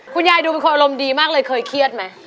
คุณยายดูเป็นคนอารมณ์ดีมากเลยเคยเครียดไหม